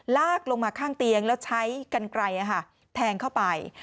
ลากลงมาข้างเตียงแล้วใช้กันไกลแทงเข้าไป